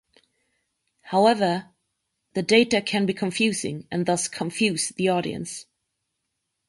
However, the data can be confusing and thus confuse the audience.